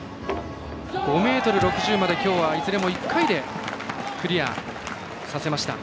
５ｍ６０まで、きょうはいずれも１回でクリアさせました。